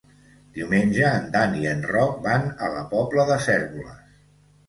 Diumenge en Dan i en Roc van a la Pobla de Cérvoles.